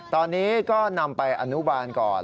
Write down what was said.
ตอนนี้ก็นำไปอนุบาลก่อน